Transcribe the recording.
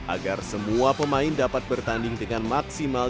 agar semua pemain dapat bertanding dengan maksimal